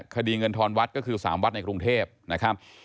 เงินทอนวัดก็คือ๓วัดในกรุงเทพนะครับ